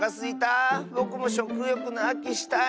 ぼくもしょくよくのあきしたいなあ。